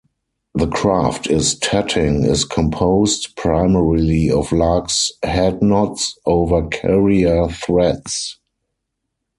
The craft of tatting is composed primarily of lark's head knots over carrier threads.